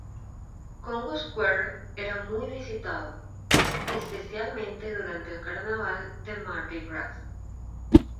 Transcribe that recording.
Congo Square era muy visitado, especialmente durante el Carnaval de Mardi Grass.